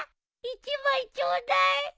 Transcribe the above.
１枚ちょうだい。